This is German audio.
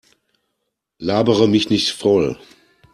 Labere mich nicht voll!